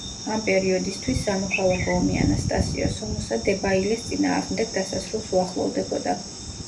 ამ პერიოდისთვის სამოქალქო ომი ანასტასიო სომოსა დებაილეს წინააღდეგ დასასრულს უახლოვდებოდა.